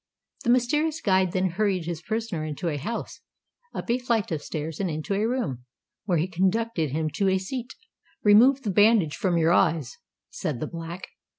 The mysterious guide then hurried his prisoner into a house, up a flight of stairs and into a room, where he conducted him to a seat. "Remove the bandage from your eyes," said the Black.